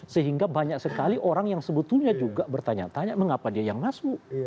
sehingga banyak sekali orang yang sebetulnya juga bertanya tanya mengapa dia yang masuk